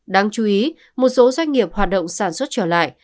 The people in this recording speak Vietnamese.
đáng chú ý một số doanh nghiệp hoạt động sản xuất trở lại